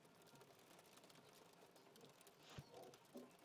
我想说还有时间